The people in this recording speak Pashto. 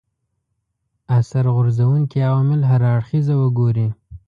اثر غورځونکي عوامل هر اړخیزه وګوري